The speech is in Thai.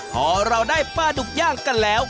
พอเราได้ปลาดุกย่างกันแล้ว